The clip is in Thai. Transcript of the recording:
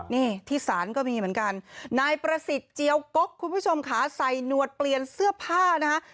นี่ที่ศาลก็มีเหมือนกันนายประสิทธิ์เจียวกกคุณผู้ชมค่ะใส่หนวดเปลี่ยนเสื้อผ้านะคะ